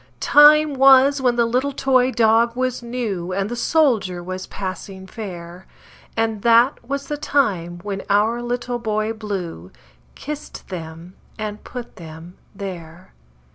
Time was when the little toy dog was new, And the soldier was passing fair; And that was the time when our Little Boy Blue Kissed them and put them there.